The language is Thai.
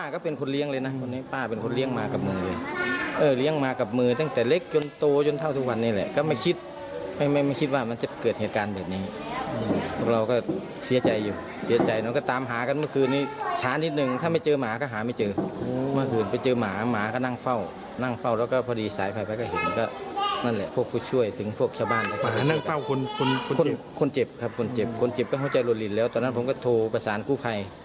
คนเจ็บก็เข้าใจหลุดหลินแล้วตอนนั้นผมก็โทรประสานผู้ไพร